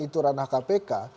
itu ranah kpk